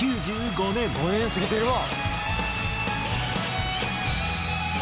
「５年過ぎてるわ！」